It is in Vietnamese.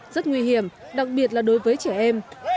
rất nguy hiểm đặc biệt là đối với trẻ em